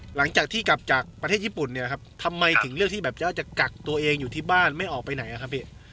หลังจากที่กลับจากประเทศญี่ปุ่นเนี่ยครับทำไมถึงเลือกที่แบบเจ้าจะกักตัวเองอยู่ที่บ้านไม่ออกไปไหนอะครับพี่